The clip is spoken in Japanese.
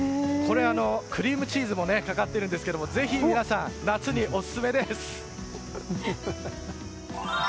クリームチーズもかかってますがぜひ皆さん夏にオススメです！